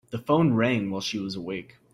The phone rang while she was awake.